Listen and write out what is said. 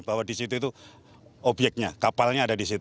bahwa di situ itu obyeknya kapalnya ada di situ